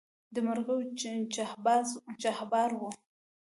د مرغیو چڼهار وو